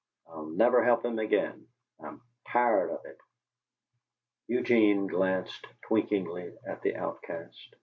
I'll never help him again. I'm TIRED of it!" Eugene glanced twinklingly at the outcast.